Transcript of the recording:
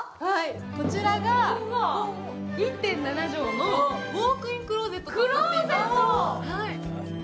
こちらが１．７畳のウォークインクローゼットになっています。